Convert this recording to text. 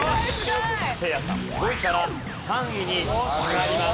せいやさん５位から３位に上がります。